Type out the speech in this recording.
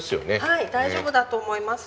はい大丈夫だと思います。